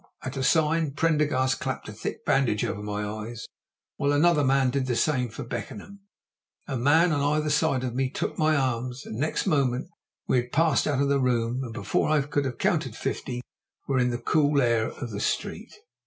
At a sign, Prendergast clapped a thick bandage over my eyes, while another man did the same for Beckenham; a man on either side of me took my arms, and next moment we had passed out of the room, and before I could have counted fifty were in the cool air of the street.